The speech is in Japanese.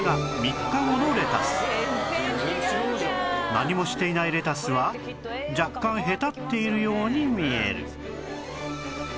何もしていないレタスは若干へたっているように見える